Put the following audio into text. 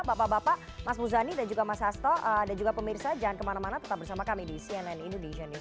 bapak bapak mas muzani dan juga mas hasto dan juga pemirsa jangan kemana mana tetap bersama kami di cnn indonesian news